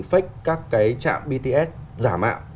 fake các cái trạm bts giả mạng